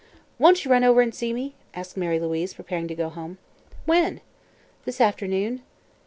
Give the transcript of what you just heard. "Won't you run over and see me?" asked Mary Louise, preparing to go home. "When?" "This afternoon."